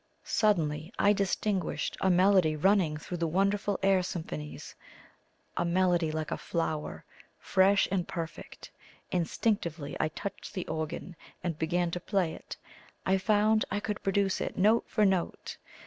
Suddenly I distinguished a melody running through the wonderful air symphonies a melody like a flower, fresh and perfect. Instinctively I touched the organ and began to play it; I found I could produce it note for note.